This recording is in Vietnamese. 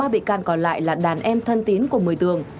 ba bị can còn lại là đàn em thân tín của mười tường